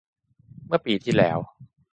เมื่อปีที่แล้ว